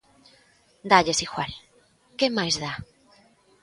Dálles igual, ¡que máis dá!